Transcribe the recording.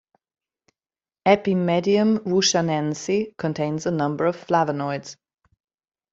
"Epimedium wushanense" contains a number of flavanoids.